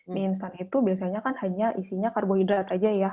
mie instan itu biasanya kan hanya isinya karbohidrat saja ya